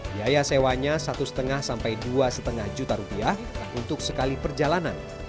biaya sewanya satu lima sampai dua lima juta rupiah untuk sekali perjalanan